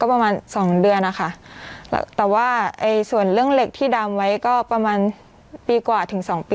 ก็ประมาณสองเดือนนะคะแต่ว่าส่วนเรื่องเหล็กที่ดำไว้ก็ประมาณปีกว่าถึงสองปี